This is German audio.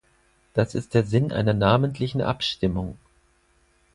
Das ist der Sinn einer namentlichen Abstimmung.